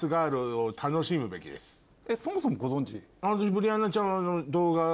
そもそもご存じ？